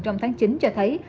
trong tháng chín cho thấy